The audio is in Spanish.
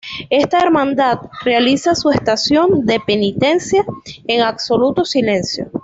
Esta hermandad realiza su estación de penitencia en absoluto silencio.